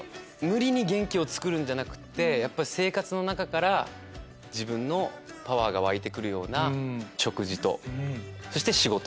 無理に元気をつくるんじゃなく生活の中から自分のパワーが湧いて来るような食事とそして仕事。